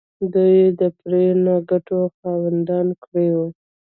دوی د پرې نه ګټو خاوندان کړي وو.